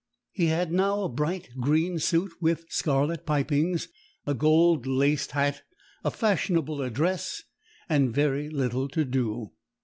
He had now a bright green suit with scarlet pipings, a gold laced hat, a fashionable address, and very little to do.